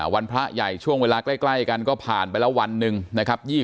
พระใหญ่ช่วงเวลาใกล้กันก็ผ่านไปแล้ววันหนึ่งนะครับ